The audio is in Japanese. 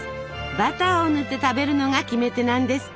バターを塗って食べるのがキメテなんですって。